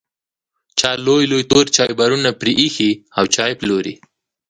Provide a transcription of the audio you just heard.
چا لوی لوی تور چایبرونه پرې ایښي او چای پلوري.